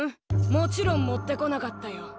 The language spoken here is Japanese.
もちろん持ってこなかったよ。